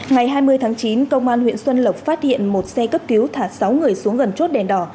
ngày hai mươi tháng chín công an huyện xuân lộc phát hiện một xe cấp cứu thả sáu người xuống gần chốt đèn đỏ